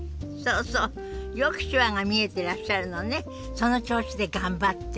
その調子で頑張って。